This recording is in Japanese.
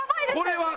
「これは」。